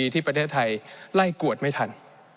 ที่ประเทศไทยไล่กวดไม่ทัน